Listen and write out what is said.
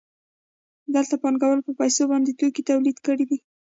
دلته پانګوال په پیسو باندې توکي تولید کړي دي